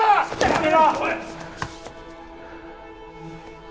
やめろ！